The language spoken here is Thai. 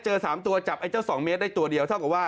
๓ตัวจับไอ้เจ้า๒เมตรได้ตัวเดียวเท่ากับว่า